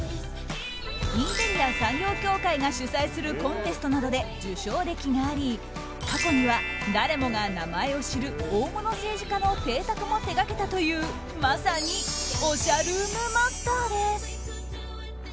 インテリア産業協会が主催するコンテストなどで受賞歴があり過去には誰もが名前を知る大物政治家の邸宅も手掛けたというまさにおしゃルームマスターです。